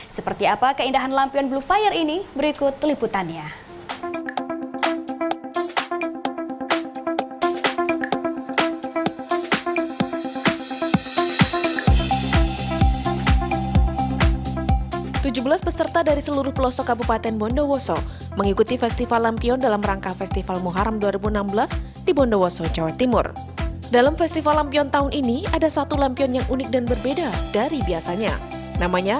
seperti apa keindahan lampion blue fire ini berikut liputannya